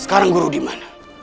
sekarang guru dimana